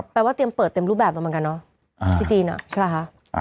แปลว่าเตรียมเปิดเต็มรูปแบบมาเหมือนกันเนอะที่จีนใช่ป่ะคะ